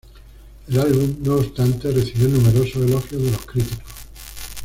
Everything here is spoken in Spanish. El álbum, no obstante, recibió numerosos elogios de los críticos.